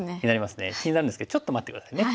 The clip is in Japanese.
気になるんですけどちょっと待って下さいね。